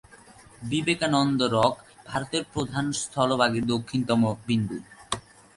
Vivekananda rock ভারতের প্রধান স্থলভাগের দক্ষিণতম বিন্দু।